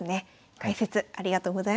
解説ありがとうございました。